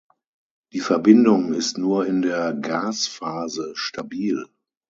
Die Verbindung ist nur in der Gasphase stabil.